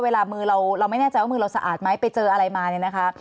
เวลามือเราไม่แน่ใจว่ามือเราสะอาดไหมไปเจออะไรมาเนี่ยนะคะ